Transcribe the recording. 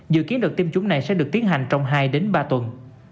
dự kiến đợt tiêm chủng này sẽ được tiến hành trong hai đến ba tuần